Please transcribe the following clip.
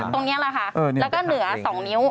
ตรงนี้แหละค่ะแล้วก็เหนือ๒นิ้ว